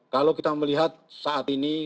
kalau kita melihat saat ini